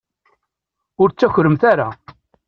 Ur ttakremt ara.